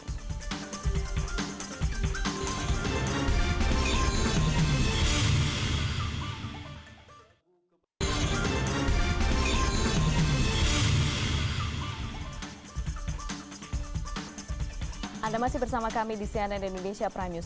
anda masih bersama kami di cnn indonesia prime news